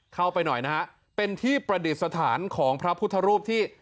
เข้าไปหน่อยนะฮะเป็นที่ประดิษฐานของพระพุทธรูปที่